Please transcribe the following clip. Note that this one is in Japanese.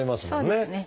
そうですね。